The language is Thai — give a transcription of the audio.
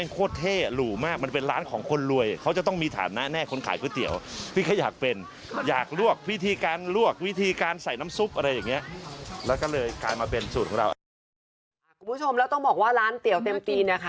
คุณผู้ชมแล้วต้องบอกว่าร้านเตี๋ยวเต็มตีเนี่ยค่ะ